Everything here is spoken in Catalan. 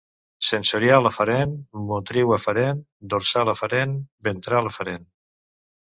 Sensorial aferent, motriu eferent, dorsal aferent, ventral eferent.